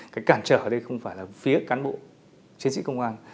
cái cản trở ở đây không phải là phía cán bộ chiến sĩ công an